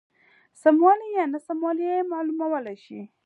سموالی یا ناسموالی یې معلومولای شي.